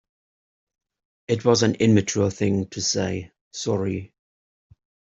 It was an immature thing to say, sorry.